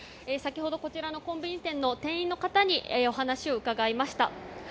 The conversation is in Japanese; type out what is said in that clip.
先ほどこちらのコンビニ店の店員の方にお話を伺いました。